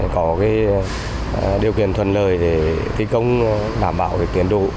có điều kiện thuận lợi để thi công đảm bảo tiến độ